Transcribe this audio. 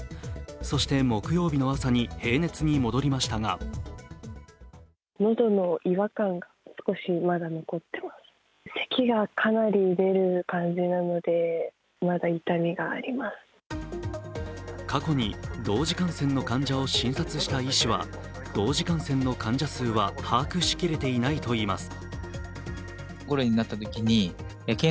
そして木曜日の朝に平熱に戻りましたが過去に、同時感染の患者を診察した医師は同時感染の患者数は把握し切れていないといいます。